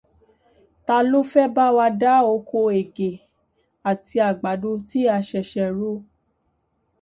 Ta ló fẹ́ bá wa dá oko ẹ̀gẹ́ àti àgbàdo tí a ṣẹ̀ṣẹ̀ ro.